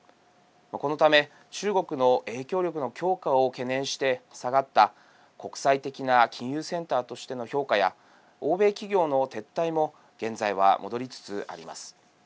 このため中国の影響力の強化を懸念して下がった、国際的な金融センターとしての評価や欧米企業の撤退も現在は戻りつつあります。